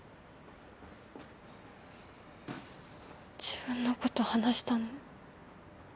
自分のこと話したの。